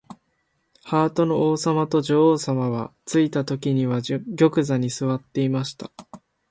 ハートの王さまと女王さまは、ついたときには玉座にすわっていました。